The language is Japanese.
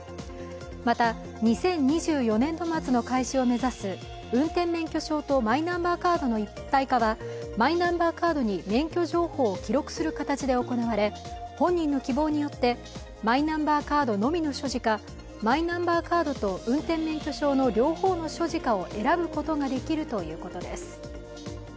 また、２０２４年度末の開始を目指す運転免許証とマイナンバーカードの一体化はマイナンバーカードに免許情報を記録する形で行われ、本人の希望によってマイナンバーカードのみの所持か、マイナンバーカードと運転免許証の両方の所持かを選ぶことができるということです。